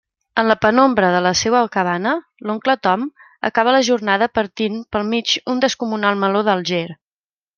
En la penombra de la seua cabana, l'oncle Tom acaba la jornada partint pel mig un descomunal meló d'Alger.